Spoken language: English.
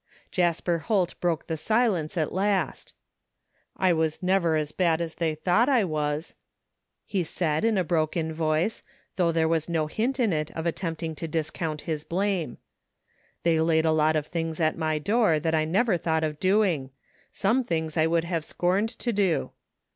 Jasper Holt broke the silence at last :" I was never as bad as they thought I was/' he said in a broken voice, though there was no hint in it of attempting to discount his blame. " They laid a lot of things at my door that I never thought of doing — some things I would have scorned to do."